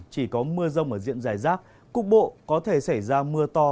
chỉ có mưa rông ở diện dài rác cục bộ có thể xảy ra mưa to